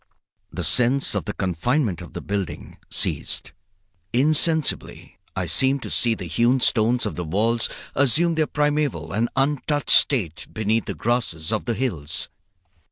The sense of the confinement of the building ceased. Insensibly I seemed to see the hewn stones of the walls assume their primeval and untouched state beneath the grasses of the hills.